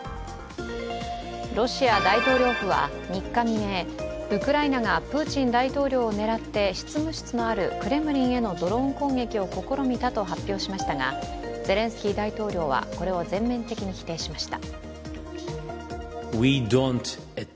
ロシア大統領府は３日未明、ウクライナがプーチン大統領を狙って執務室のあるクレムリンへのドローン攻撃を試みたと主張しましたがゼレンスキー大統領はこれを全面的に否定しました。